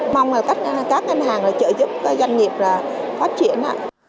mong là các ngân hàng trợ giúp doanh nghiệp phát triển